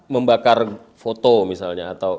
membakar foto misalnya